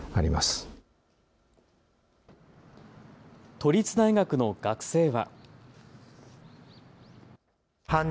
都立大学の学生は。